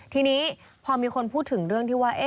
ทีนี้พอมีคนพูดถึงเรื่องที่ว่า